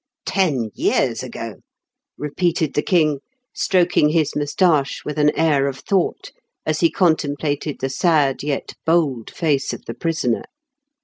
" Ten years ago !" repeated the King, stroking his moustache with an air of thought as he contemplated the sad, yet bold, face of the prisoner.